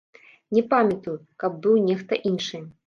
Не памятаю, каб быў нехта іншы.